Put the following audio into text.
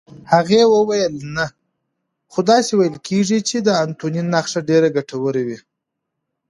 هغې وویل: نه، خو داسې ویل کېږي چې د انتوني نخښه ډېره ګټوره وي.